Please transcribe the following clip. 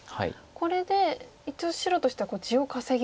これで一応白としては地を稼ぎましたか。